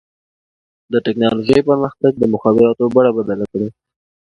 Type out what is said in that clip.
د ټکنالوجۍ پرمختګ د مخابراتو بڼه بدله کړې ده.